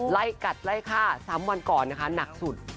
ไล่กัดไล่ฆ่า๓วันก่อนนะคะหนักสุด